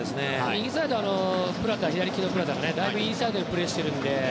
右サイドの左利きのプラタがだいぶインサイドでプレーしているので。